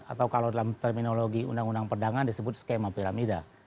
atau kalau dalam terminologi undang undang perdagangan disebut skema piramida